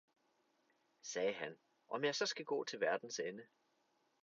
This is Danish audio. sagde han, om jeg så skal gå til verdens ende!